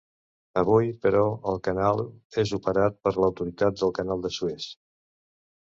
Avui, però, el canal és operat per l'Autoritat del Canal de Suez.